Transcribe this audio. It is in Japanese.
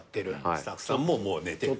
スタッフさんももう寝てる。